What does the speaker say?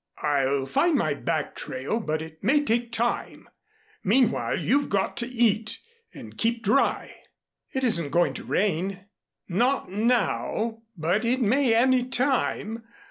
"I'll find my back trail, but it may take time. Meanwhile you've got to eat, and keep dry." "It isn't going to rain." "Not now, but it may any time.